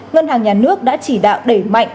ngân hàng nhà nước đã chỉ đạo đẩy mạnh